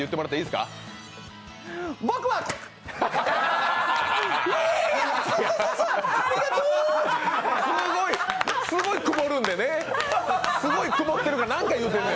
すごい、すごい曇るんでね、曇るから何か言うてるのよ。